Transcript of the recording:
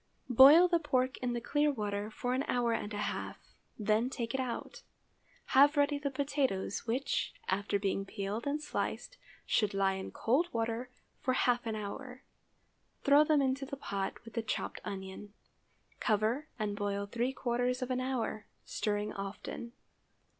Boil the pork in the clear water for an hour and a half, then take it out. Have ready the potatoes, which, after being peeled and sliced, should lie in cold water for half an hour. Throw them into the pot, with the chopped onion. Cover and boil three quarters of an hour, stirring often.